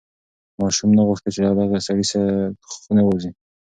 ماشوم نه غوښتل چې له دغې سړې خونې ووځي.